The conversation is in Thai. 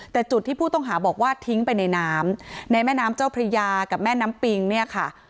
แต่จุดที่ผู้ต้องหาบอกว่าทิ้งไปในน้ำในแม่น้ำเจ้าพระยากับแม่น้ำปิงเนี่ยค่ะ